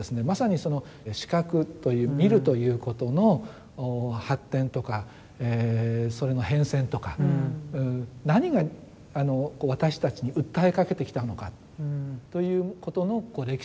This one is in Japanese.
まさにその視覚という見るということの発展とかそれの変遷とか何が私たちに訴えかけてきたのかということの歴史が分かる。